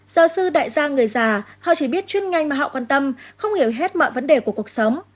giáo sư đại gia người già họ chỉ biết chuyên ngành mà họ quan tâm không hiểu hết mọi vấn đề của cuộc sống